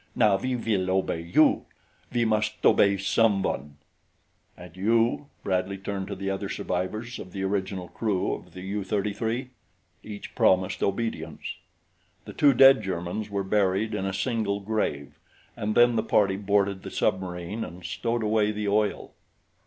Now we will obey you we must obey some one." "And you?" Bradley turned to the other survivors of the original crew of the U 33. Each promised obedience. The two dead Germans were buried in a single grave, and then the party boarded the submarine and stowed away the oil.